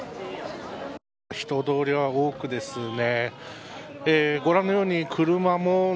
人通りは多くですね。